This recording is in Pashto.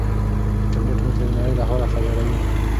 انټرنيټ موږ ته د نړۍ له حاله خبروي.